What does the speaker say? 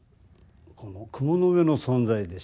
この雲の上の存在でしたし